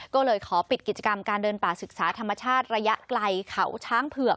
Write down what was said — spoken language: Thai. ก็เลยขอปิดกิจกรรมการเดินป่าศึกษาธรรมชาติระยะไกลเขาช้างเผือก